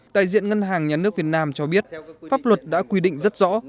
tại diện ngân hàng nhà nước việt nam cho biết pháp luật đã quy định rất rõ